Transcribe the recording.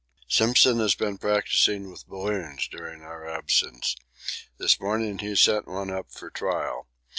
Simpson has been practising with balloons during our absence. This morning he sent one up for trial.